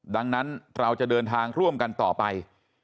ดังนั้นเราจะเดินทางร่วมกันต่อไป